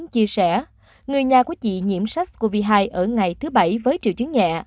chia sẻ người nhà của chị nhiễm sách covid hai ở ngày thứ bảy với triệu chứng nhẹ